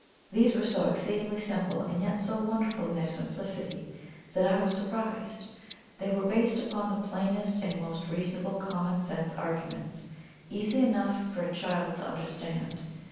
These were so exceedingly simple, and yet so wonderful in their simplicity, that I was surprised. They were based upon the plainest and most reasonable common sense arguments easy enough for a child to understand.